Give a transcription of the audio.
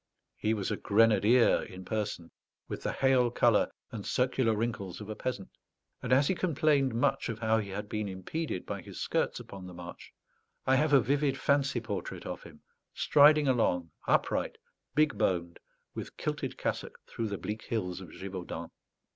He was a grenadier in person, with the hale colour and circular wrinkles of a peasant; and as he complained much of how he had been impeded by his skirts upon the march, I have a vivid fancy portrait of him, striding along, upright, big boned, with kilted cassock, through the bleak hills of Gévaudan.